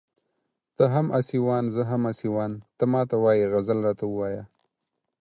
ته هم اسيوان زه هم اسيوان ته ما ته وايې غزل راته ووايه